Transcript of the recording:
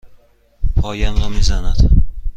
پایم را می زند.